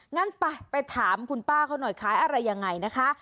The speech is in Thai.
งั้นไปไปถามคุณป้าเขาหน่อยขายอะไรยังไงนะคะ